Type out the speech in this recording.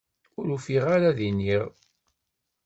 Ur ufiɣ ara d-iniɣ.